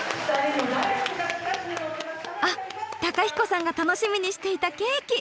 あっ公彦さんが楽しみにしていたケーキ！